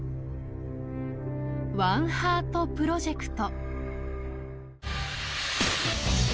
ワンハートプロジェクト。